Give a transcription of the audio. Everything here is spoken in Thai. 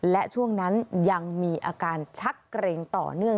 และช่วงนั้นยังมีอาการชักเกร็งต่อเนื่อง